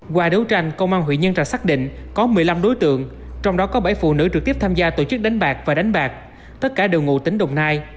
qua đấu tranh công an huyện nhân trạch xác định có một mươi năm đối tượng trong đó có bảy phụ nữ trực tiếp tham gia tổ chức đánh bạc và đánh bạc tất cả đều ngụ tính đồng nai